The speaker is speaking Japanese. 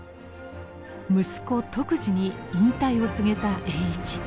息子篤二に引退を告げた栄一。